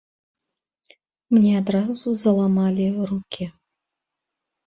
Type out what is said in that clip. Мне адразу заламалі рукі.